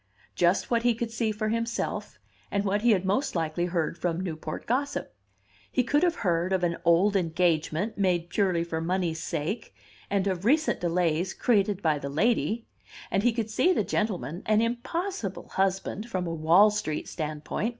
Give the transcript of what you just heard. Just what he could see for himself, and what he had most likely heard from Newport gossip. He could have heard of an old engagement, made purely for money's sake, and of recent delays created by the lady; and he could see the gentleman an impossible husband from a Wall Street standpoint!